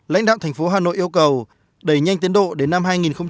lãnh đạo thành phố hà nội yêu cầu đẩy nhanh tiến độ đến năm hai nghìn hai mươi